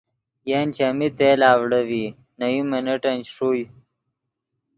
ین چیمی تیل اڤڑے ڤی نے یو منٹن چے ݰوئے